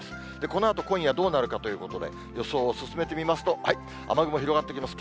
このあと今夜、どうなるかということで予想を進めてみますと、雨雲広がってきます。